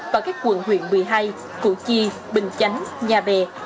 và các quận huyện một mươi hai củ chi bình chánh nhà bè